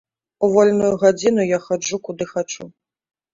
У вольную гадзіну я хаджу куды хачу.